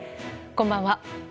こんばんは。